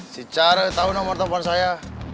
si cara tahu nomor telfon saya